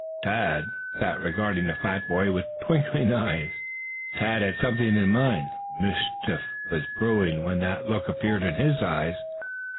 Tad sat regarding the fat boy with twinkling eyes. Tad had something in mind. Mischief was brewing when that look appeared in his eyes.